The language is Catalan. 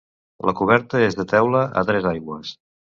La coberta és de teula a tres aigües.